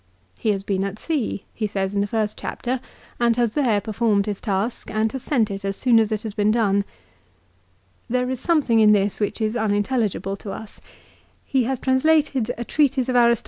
He has been at sea, he says, in the first chapter, and has there performed his task and has sent it as soon as it has been done. There is something in this which is unintelligible to us. He has translated a treatise of Aristotle 1 Ibid. ca. xxviii. 8 Ibid. ca.